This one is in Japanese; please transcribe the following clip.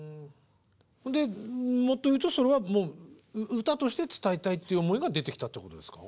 でもっと言うとそれはもう歌として伝えたいっていう思いが出てきたってことですか？